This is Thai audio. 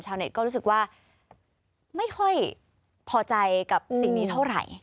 เน็ตก็รู้สึกว่าไม่ค่อยพอใจกับสิ่งนี้เท่าไหร่